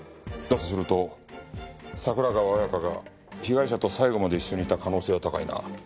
だとすると桜川彩華が被害者と最後まで一緒にいた可能性は高いな。